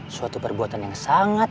suatu perbuatan yang sangat